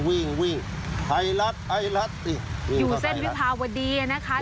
อยู่เส้นวิภาวดีนะคะเลยแยกสุธิศาสตร์มาหน่อยนึงเนี่ย